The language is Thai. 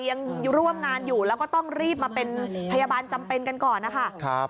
ยังร่วมงานอยู่แล้วก็ต้องรีบมาเป็นพยาบาลจำเป็นกันก่อนนะคะ